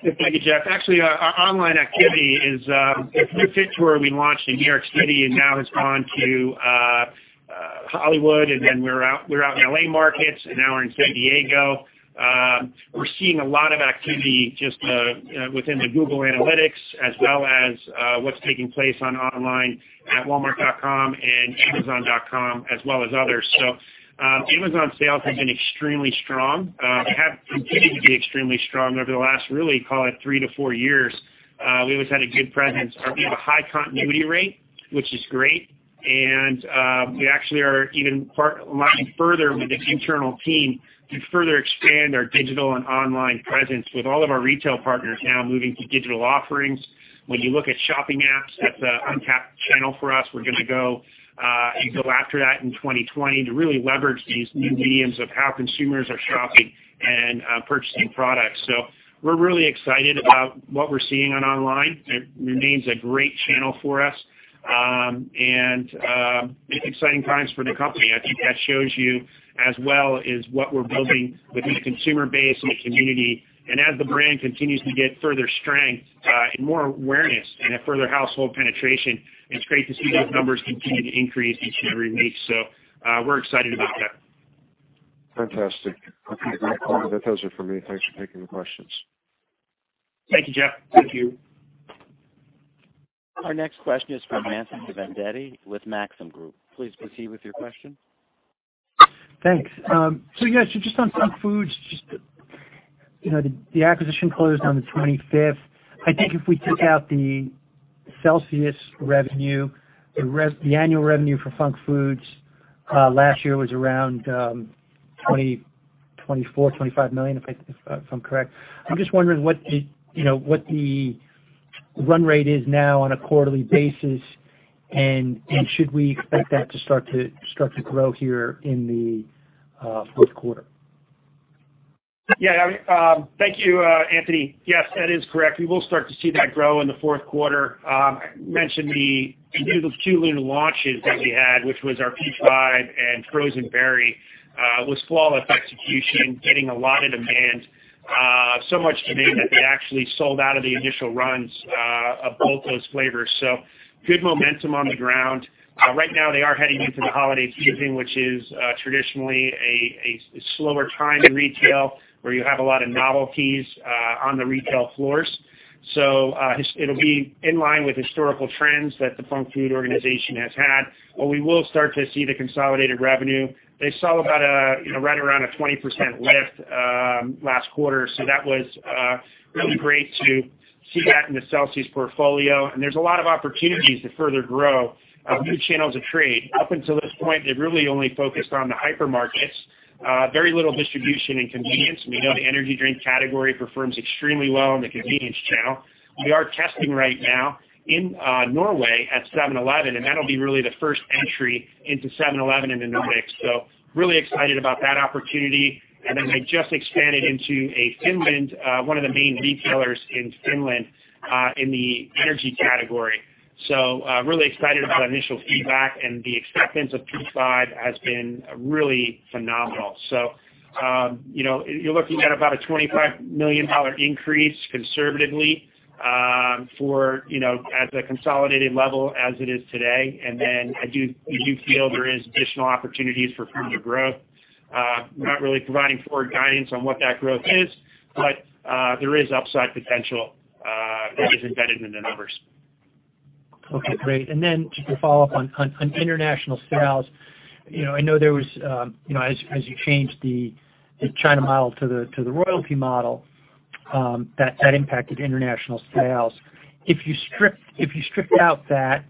Thank you, Jeff. Actually, our online activity is LIVE FIT Tour. We launched in New York City and now has gone to Hollywood, and then we're out in L.A. markets, and now we're in San Diego. We're seeing a lot of activity just within the Google Analytics as well as what's taking place on online at Walmart.com and Amazon.com, as well as others. Amazon sales have been extremely strong, have continued to be extremely strong over the last, really, call it three to four years. We always had a good presence. We have a high continuity rate, which is great. We actually are even part launching further with this internal team to further expand our digital and online presence with all of our retail partners now moving to digital offerings. When you look at shopping apps, that's an untapped channel for us. We're going to go after that in 2020 to really leverage these new mediums of how consumers are shopping and purchasing products. We're really excited about what we're seeing on online. It remains a great channel for us. Exciting times for the company. I think that shows you as well as what we're building with the consumer base and the community. As the brand continues to get further strength and more awareness and a further household penetration, it's great to see those numbers continue to increase each and every week. We're excited about that. Fantastic. Okay, great. That does it for me. Thanks for taking the questions. Thank you, Jeff. Thank you. Our next question is from Anthony Vendetti with Maxim Group. Please proceed with your question. Thanks. Yes, just on Func Food, the acquisition closed on the 25th. I think if we take out the Celsius revenue, the annual revenue for Func Food last year was around $24 million-$25 million, if I'm correct. I'm just wondering what the run rate is now on a quarterly basis, and should we expect that to start to grow here in the fourth quarter? Thank you, Anthony. Yes, that is correct. We will start to see that grow in the fourth quarter. Mentioned the two new flavor launches that we had, which was our Peach Vibe and Frozen Berry, was flawless execution, getting a lot of demand, so much demand that they actually sold out of the initial runs of both those flavors. Good momentum on the ground. Right now, they are heading into the holiday season, which is traditionally a slower time in retail where you have a lot of novelties on the retail floors. It'll be in line with historical trends that the Func Food organization has had, we will start to see the consolidated revenue. They saw about right around a 20% lift last quarter. That was really great to see that in the Celsius portfolio. There's a lot of opportunities to further grow new channels of trade. Up until this point, they've really only focused on the hypermarkets. Very little distribution in convenience, and we know the energy drink category performs extremely well in the convenience channel. We are testing right now in Norway at 7-Eleven, and that'll be really the first entry into 7-Eleven in the Nordics. Really excited about that opportunity. They just expanded into Finland, one of the main retailers in Finland, in the energy category. Really excited about initial feedback and the acceptance of P5 has been really phenomenal. You're looking at about a $25 million increase conservatively at the consolidated level as it is today. We do feel there is additional opportunities for further growth. We're not really providing forward guidance on what that growth is, but there is upside potential that is embedded in the numbers. Okay, great. Just to follow up on international sales, I know as you changed the China model to the royalty model, that impacted international sales. If you stripped out that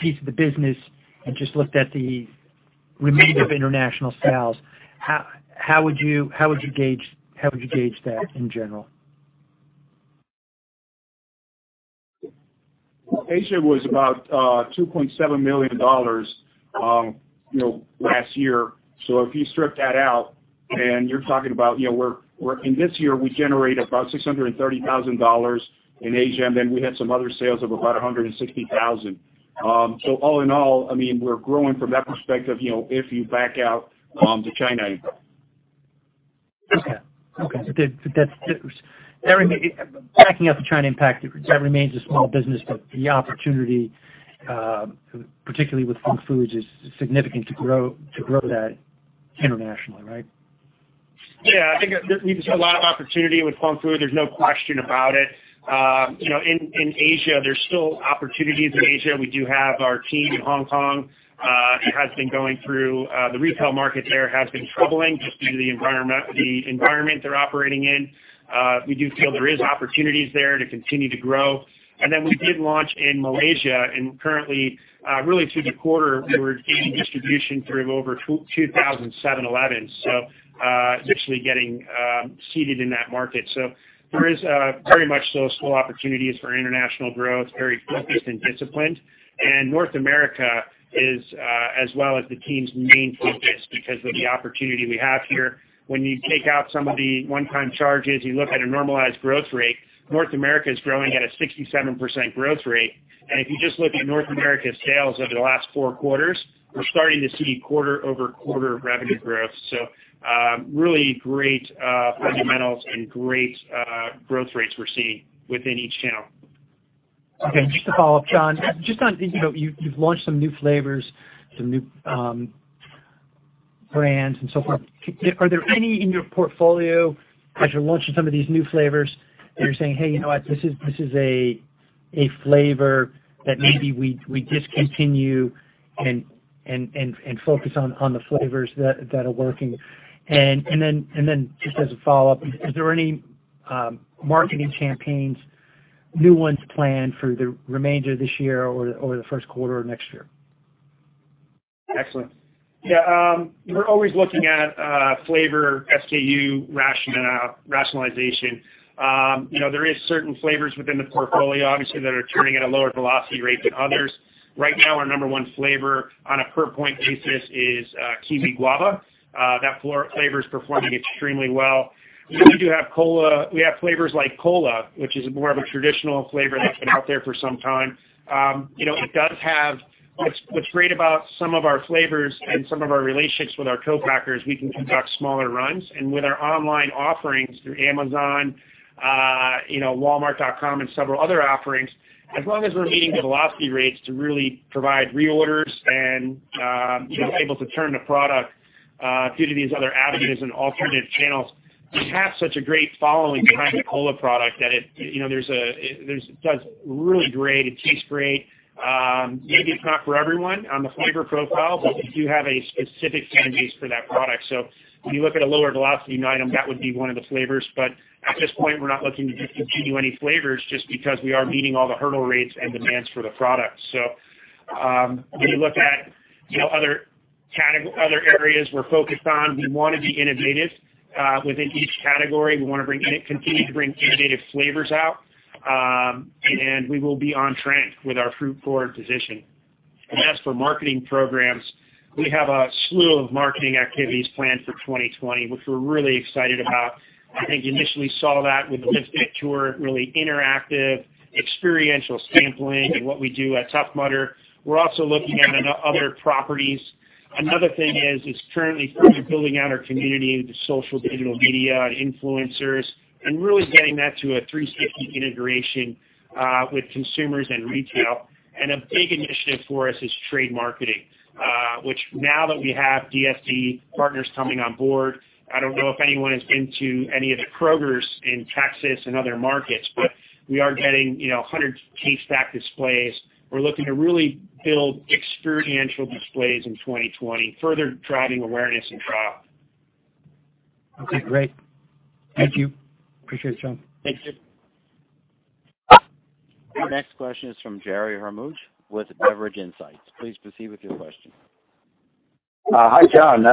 piece of the business and just looked at the remainder of international sales, how would you gauge that in general? Asia was about $2.7 million last year. If you strip that out, then you're talking about in this year, we generate about $630,000 in Asia, and then we had some other sales of about $160,000. All in all, we're growing from that perspective, if you back out the China impact. Okay. Backing up the China impact, that remains a small business, but the opportunity, particularly with Func Food, is significant to grow that internationally, right? I think we see a lot of opportunity with Func Food. There's no question about it. In Asia, there's still opportunities in Asia. We do have our team in Hong Kong. The retail market there has been troubling just due to the environment they're operating in. We do feel there is opportunities there to continue to grow. We did launch in Malaysia, and currently, really through the quarter, we're gaining distribution through over 2,000 7-Elevens. It's actually getting seeded in that market. There is very much those opportunities for international growth, very focused and disciplined. North America is as well as the team's main focus because of the opportunity we have here. When you take out some of the one-time charges, you look at a normalized growth rate, North America is growing at a 67% growth rate. If you just look at North America's sales over the last four quarters, we're starting to see quarter-over-quarter revenue growth. Really great fundamentals and great growth rates we're seeing within each channel. Okay, just to follow up, John, just on, you've launched some new flavors, some new brands and so forth. Are there any in your portfolio as you're launching some of these new flavors that you're saying, "Hey, you know what? This is a flavor that maybe we discontinue and focus on the flavors that are working." Then just as a follow-up, is there any marketing campaigns, new ones planned for the remainder of this year or the first quarter of next year? Excellent. Yeah, we're always looking at flavor SKU rationalization. There is certain flavors within the portfolio, obviously, that are turning at a lower velocity rate than others. Right now, our number one flavor on a per point basis is Kiwi-Guava. That flavor is performing extremely well. We have flavors like cola, which is more of a traditional flavor that's been out there for some time. What's great about some of our flavors and some of our relationships with our co-packers, we can conduct smaller runs. With our online offerings through Amazon, walmart.com, and several other offerings, as long as we're meeting the velocity rates to really provide reorders and able to turn the product due to these other avenues and alternative channels, we have such a great following behind the cola product that it does really great. It tastes great. Maybe it's not for everyone on the flavor profile, but we do have a specific fan base for that product. When you look at a lower velocity item, that would be one of the flavors. At this point, we're not looking to discontinue any flavors just because we are meeting all the hurdle rates and demands for the product. When you look at other areas we're focused on, we want to be innovative within each category. We want to continue to bring innovative flavors out. We will be on trend with our fruit forward position. As for marketing programs, we have a slew of marketing activities planned for 2020, which we're really excited about. I think you initially saw that with the LIVE FIT Tour, really interactive, experiential sampling, and what we do at Tough Mudder. We're also looking at other properties. Another thing is currently further building out our community with the social digital media and influencers, and really getting that to a 360 integration with consumers and retail. A big initiative for us is trade marketing, which now that we have DSD partners coming on board, I don't know if anyone has been to any of the Kroger in Texas and other markets, but we are getting 100 case stack displays. We're looking to really build experiential displays in 2020, further driving awareness and trial. Okay, great. Thank you. Appreciate it, John. Thank you. Our next question is from Jerry Khermouch with Beverage Business Insights. Please proceed with your question. Hi, John.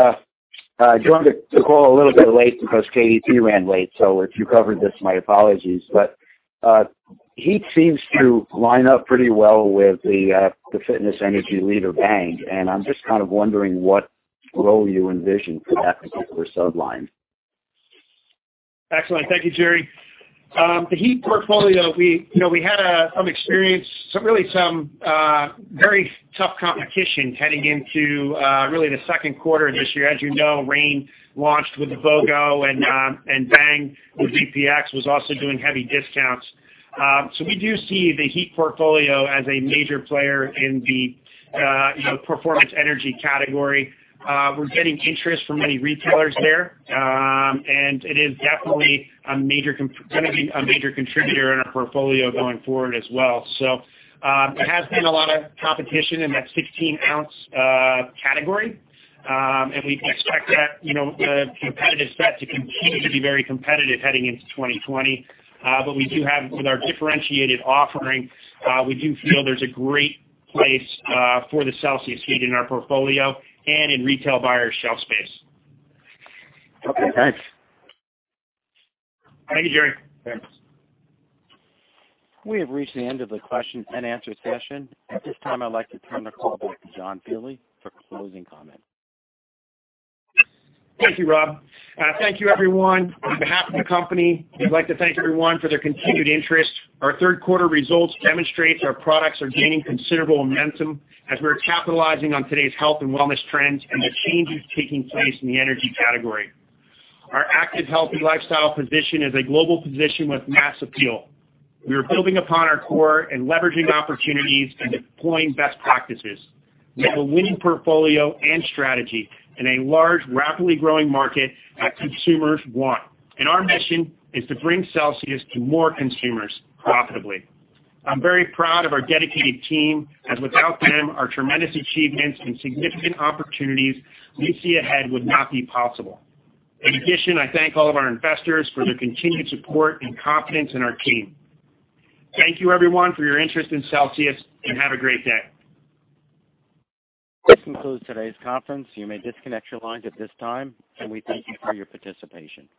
I joined the call a little bit late because KDP ran late, so if you covered this, my apologies. HEAT seems to line up pretty well with the fitness energy leader Bang, and I'm just kind of wondering what role you envision for that particular sub-line. Excellent. Thank you, Jerry. The CELSIUS HEAT portfolio, we had experienced really some very tough competition heading into really the second quarter of this year. As you know, Reign launched with Vogo and Bang with VPX was also doing heavy discounts. We do see the CELSIUS HEAT portfolio as a major player in the performance energy category. We're getting interest from many retailers there, and it is definitely going to be a major contributor in our portfolio going forward as well. There has been a lot of competition in that 16-ounce category. We expect that competitive set to continue to be very competitive heading into 2020. With our differentiated offering, we do feel there's a great place for the CELSIUS HEAT in our portfolio and in retail buyer shelf space. Okay, thanks. Thank you, Jerry. Thanks. We have reached the end of the question and answer session. At this time, I'd like to turn the call back to John Fieldly for closing comments. Thank you, Rob. Thank you, everyone. On behalf of the company, we'd like to thank everyone for their continued interest. Our third quarter results demonstrate our products are gaining considerable momentum as we're capitalizing on today's health and wellness trends and the changes taking place in the energy category. Our active healthy lifestyle position is a global position with mass appeal. We are building upon our core and leveraging opportunities and deploying best practices. We have a winning portfolio and strategy in a large, rapidly growing market that consumers want. Our mission is to bring Celsius to more consumers profitably. I'm very proud of our dedicated team, as without them, our tremendous achievements and significant opportunities we see ahead would not be possible. In addition, I thank all of our investors for their continued support and confidence in our team. Thank you everyone for your interest in Celsius, and have a great day. This concludes today's conference. You may disconnect your lines at this time, and we thank you for your participation.